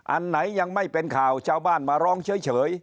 อันไหนยังไม่เป็นข่าวชาวบ้านมาร้องเฉย